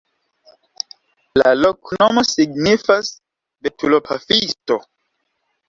La loknomo signifas: betulo-pafisto.